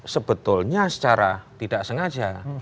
sebetulnya secara tidak sengaja